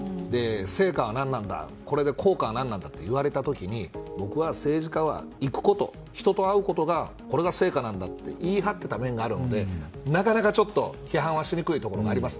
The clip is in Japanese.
成果は何なんだこれの効果は何なんだと言われた時、僕は、政治家は行くこと人と会うことが成果なんだと言い張っていた面があるのでなかなか批判はしにくいところがあります。